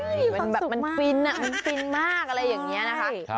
ความสุขมากอร่อยมันฟินมากอะไรอย่างนี้นะคะ